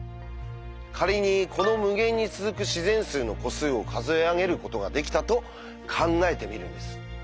仮にこの無限に続く自然数の個数を数えあげることができたと考えてみるんです。